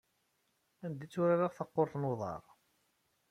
Anda ay tturareɣ takurt n uḍar?